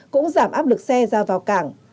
cũng giảm áp lực xe ra vào cảng